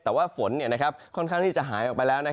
แต่ว่าฝนค่อนข้างที่จะหายออกไปแล้ว